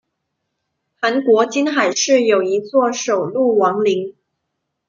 韩国金海市有一座首露王陵。